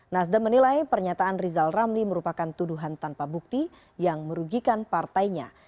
nasdem menilai pernyataan rizal ramli merupakan tuduhan tanpa bukti yang merugikan partainya